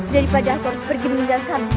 daripada aku harus pergi meninggalkanmu